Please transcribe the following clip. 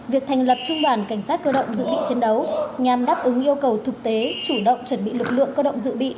việc thành lập trung đoàn cảnh sát cơ động dự bị chiến đấu nhằm đáp ứng yêu cầu thực tế chủ động chuẩn bị lực lượng cơ động dự bị